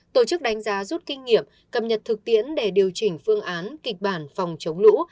tổ chức đánh giá rút kinh nghiệm cập nhật thực tiễn để điều chỉnh phương án kịch bản phòng chống lũ